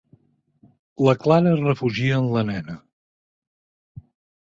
La Clara es refugia en la nena.